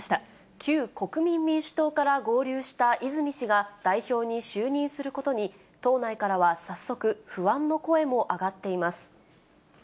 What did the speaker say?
旧国民民主党から合流した泉氏が代表に就任することに、党内からは早速、不安の声も上がっています。